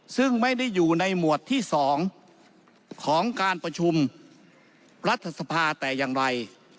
ซึ่งไม่ได้อยู่ในหมวดที่๒ของการประชุมรัฐสภาแต่อย่างไร